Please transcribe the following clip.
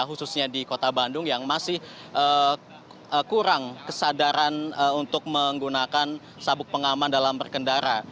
khususnya di kota bandung yang masih kurang kesadaran untuk menggunakan sabuk pengaman dalam berkendara